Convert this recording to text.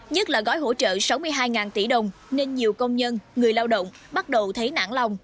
nhất là gói hỗ trợ sáu mươi hai tỷ đồng nên nhiều công nhân người lao động bắt đầu thấy nản lòng